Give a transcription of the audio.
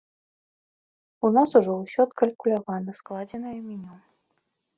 У нас ужо усё адкалькулявана, складзенае меню.